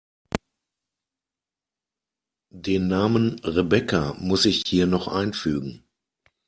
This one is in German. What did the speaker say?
Den Namen Rebecca muss ich hier noch einfügen.